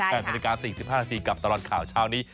๘นาฬิกา๔๕นาทีกับตลอดข่าวเช้านี้